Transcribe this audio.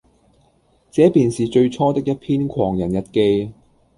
這便是最初的一篇《狂人日記》。